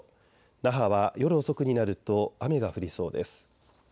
那覇は夜遅くになると雨が降りそうです。